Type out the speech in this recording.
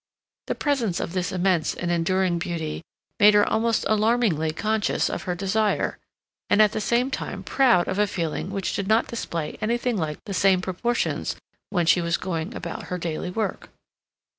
The presence of this immense and enduring beauty made her almost alarmingly conscious of her desire, and at the same time proud of a feeling which did not display anything like the same proportions when she was going about her daily work.